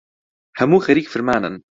هەموو خەریک فرمانن